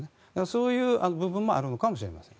そういう部分もあるのかもしれないです。